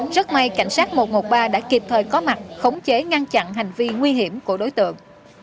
rất may cảnh sát một trăm một mươi ba đã kịp thời có mặt khống chế ngăn chặn hành vi nguy hiểm của đối tượng